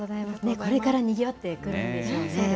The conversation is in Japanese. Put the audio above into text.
これから、にぎわっていくんでしょうね。